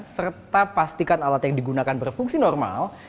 serta pastikan alat yang digunakan berfungsi normal